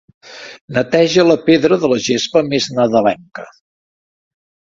Neteja la pedra de la gespa més nadalenca.